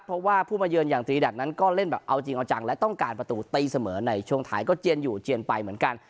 เพราะว่าผู้มาเยือนอย่างตรีดัทนั้นก็เล่นแบบเอาจริงเอาจังและต้องการประตูตีเสมอในช่วงท้ายก็เจียนอยู่เจียนไปเหมือนกัน